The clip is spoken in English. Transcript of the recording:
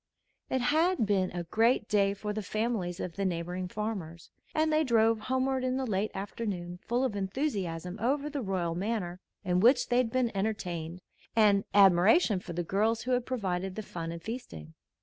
It had been a great day for the families of the neighboring farmers, and they drove homeward in the late afternoon full of enthusiasm over the royal manner in which they had been entertained and admiration for the girls who had provided the fun and feasting.